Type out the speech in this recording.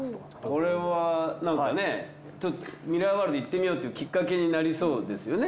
これはなんかねちょっとミラーワールド行ってみようっていうきっかけになりそうですよね。